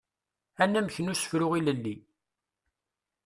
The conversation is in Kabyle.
Anamek n usefru ilelli.